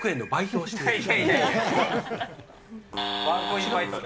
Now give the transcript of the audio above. ワンコインバイトね。